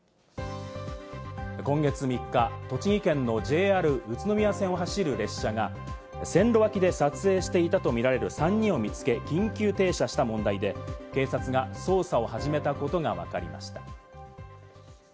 今月３日、栃木県のＪＲ宇都宮線を走る列車が線路脇で撮影していたとみられる３人を見つけ、緊急停車した問題で、警察が捜査を始めたことがわかりました。